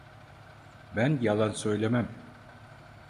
Ben yalan söylemem.